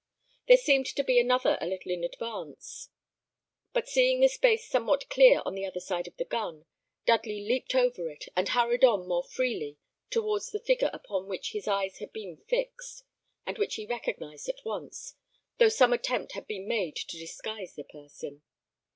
There seemed to be another a little in advance; but seeing the space somewhat clear on the other side of the gun, Dudley leaped over it, and hurried on more freely towards the figure upon which his eyes had been fixed, and which he recognised at once, though some attempt had been made to disguise the person.